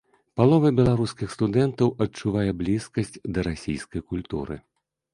Палова беларускіх студэнтаў адчувае блізкасць да расійскай культуры.